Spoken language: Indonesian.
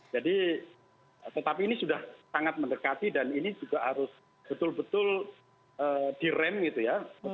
jadi tetapi ini sudah sangat mendekati dan ini juga harus betul betul direm gitu ya